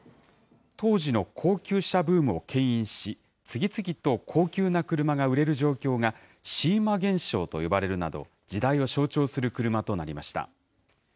当時の高級車ブームをけん引し、次々と高級な車が売れる状況がシーマ現象と呼ばれるなど、時代を象徴する車となりました。